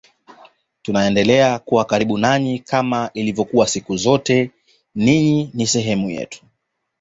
Tunaendelea kuwa karibu nanyi kama ilivyokuwa siku zote ninyi ni sehemu yetu